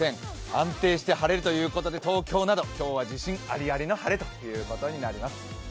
安定して晴れるということで東京など今日は自信ありありの晴れということになります。